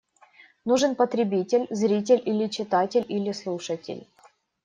Нужен потребитель – зритель или читатель, или слушатель.